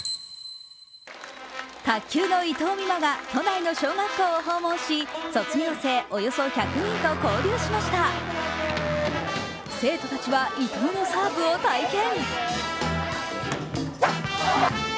卓球の伊藤美誠が都内の小学校を訪問し卒業生およそ１００人と交流しました生徒たちは伊藤のサーブを体験。